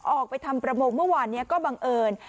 ออกไปทำประมงเมื่อวานนี้ก็บังเอิญ